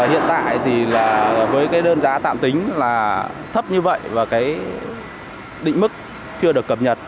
hiện tại thì là với cái đơn giá tạm tính là thấp như vậy và cái định mức chưa được cập nhật